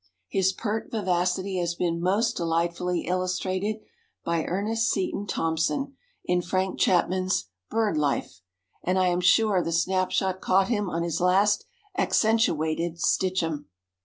His pert vivacity has been most delightfully illustrated by Ernest Seton Thompson, in Frank Chapman's "Bird Life," and I am sure the snap shot caught him on his last accentuated "stitch 'em."